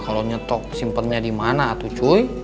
kalau nyetok simpennya di mana atu cuy